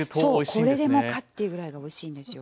これでもかっていうぐらいがおいしいんですよ。